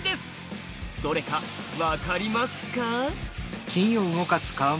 どれか分かりますか？